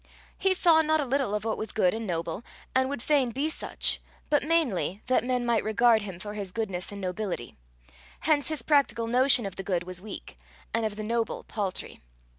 He saw not a little of what was good and noble, and would fain be such, but mainly that men might regard him for his goodness and nobility; hence his practical notion of the good was weak, and of the noble, paltry.